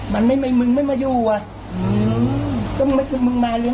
ปากกับภูมิปากกับภูมิ